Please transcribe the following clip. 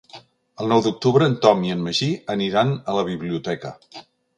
El nou d'octubre en Tom i en Magí aniran a la biblioteca.